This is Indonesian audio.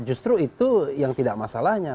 justru itu yang tidak masalahnya